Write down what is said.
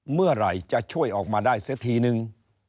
เมื่อไหร่จะช่วยออกมาได้เสียทีนึง